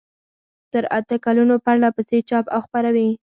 تر اته کلونو پرلپسې چاپ او خپروي.